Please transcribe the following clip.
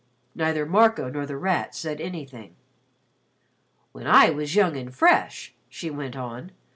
Neither Marco nor The Rat said anything. "When I was young and fresh," she went on.